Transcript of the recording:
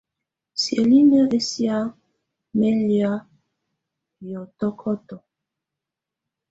Siǝ́linǝ́ ɛsɛ̀á mɛ́ lɛ̀á yɔtɔkɔtɔ.